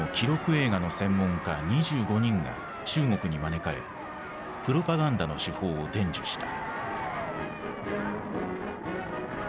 映画の専門家２５人が中国に招かれプロパガンダの手法を伝授した。